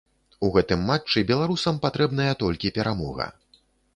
У гэтым матчы беларусам патрэбная толькі перамога.